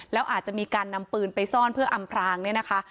แล้วอาจจะมีการนำปืนไปซ่อนเพื่ออำพรางเนี่ยนะคะ